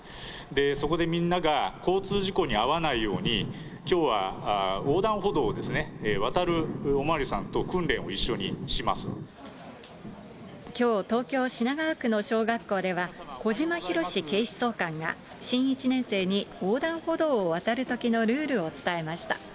そこでみんなが、交通事故に遭わないように、きょうは横断歩道を渡る、お巡りさんと、きょう、東京・品川区の小学校では、小島ひろし警視総監が、新１年生に横断歩道を渡るときのルールを伝えました。